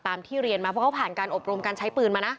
ที่เรียนมาเพราะเขาผ่านการอบรมการใช้ปืนมานะ